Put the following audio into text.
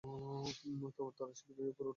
তারা সিঁড়ি বেয়ে উপরে উঠতে লাগলেন।